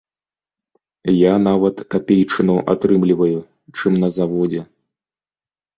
Я нават капейчыну атрымліваю, чым на заводзе.